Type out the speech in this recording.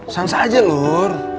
sama sama aja lor